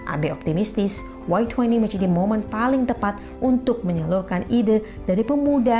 abe optimistis y dua puluh menjadi momen paling tepat untuk menyalurkan ide dari pemuda